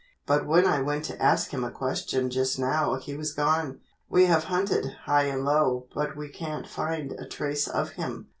"But when I went to ask him a question just now he was gone. We have hunted high and low but we can't find a trace of him."